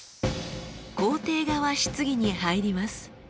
肯定側質疑に入ります。